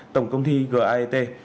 tổng công ty gaet